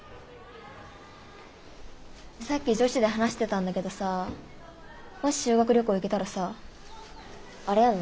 さっき女子で話してたんだけどさもし修学旅行行けたらさあれやるの？